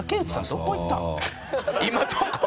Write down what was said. どこ行ったん？」